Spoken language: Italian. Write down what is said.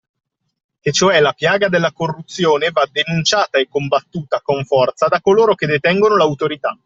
Che cioè la piaga della corruzione va denunciata e combattuta con forza da coloro che detengono l'autorità